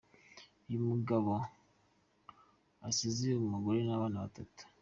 Uyu mugabo asize umugore n’abana batatu.